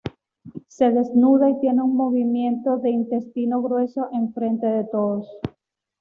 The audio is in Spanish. Se desnuda y tiene un movimiento de intestino grueso en frente de todos.